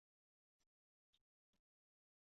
张时彻人。